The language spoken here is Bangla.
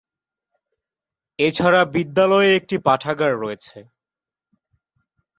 এছাড়া, বিদ্যালয়ে একটি পাঠাগার রয়েছে।